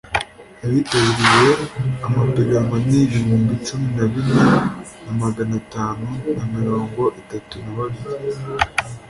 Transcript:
Abitabiriye amapiganwa ni ibihumbi cumi na bine na magana atanu na mirongo itatu na babiri